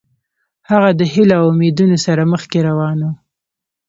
هغه د هیلو او امیدونو سره مخکې روان و.